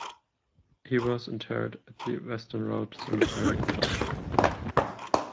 He was interred at the Western Road Cemetery in George Town.